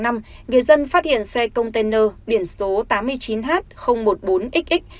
người dân phát hiện xe container biển số tám mươi chín h một mươi bốn xx